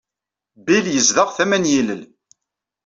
Bill yezdeɣ tama n yilel.